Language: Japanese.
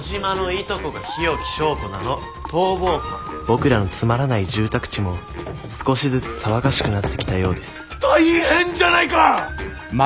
僕らのつまらない住宅地も少しずつ騒がしくなってきたようです大変じゃないか！